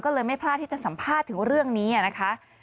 ก็เลยไม่พลาดที่จะสัมภาษณ์ถึงเรื่องนี้นะคะ